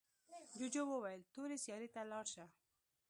جوجو وویل تورې سیارې ته لاړ شه.